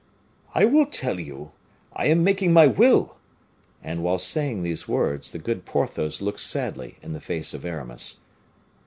"I will tell you; I am making my will." And while saying these words, the good Porthos looked sadly in the face of Aramis.